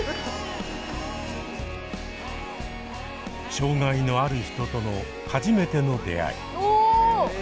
障害のある人との初めての出会い。